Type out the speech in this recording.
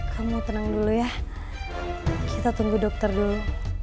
kamu tenang dulu ya kita tunggu dokter dulu